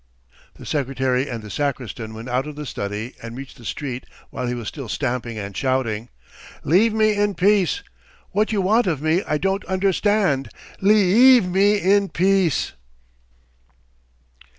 The secretary and the sacristan went out of the study and reached the street while he was still stamping and shouting: "Leave me in peace! What you want of me I don't understand. Lea eave me in peace!"